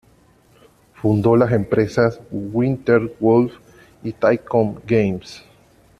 Fundó las empresas "Winter Wolves" y "Tycoon Games".